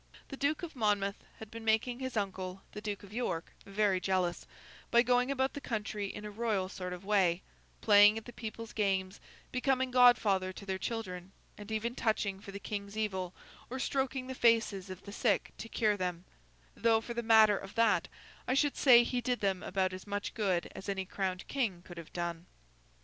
The Duke of Monmouth had been making his uncle, the Duke of York, very jealous, by going about the country in a royal sort of way, playing at the people's games, becoming godfather to their children, and even touching for the King's evil, or stroking the faces of the sick to cure them—though, for the matter of that, I should say he did them about as much good as any crowned king could have done.